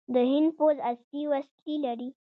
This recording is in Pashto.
د هند پوځ عصري وسلې لري.